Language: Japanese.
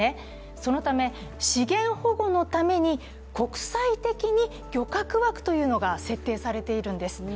そのため資源保護のために漁獲枠というのが設定されているんです。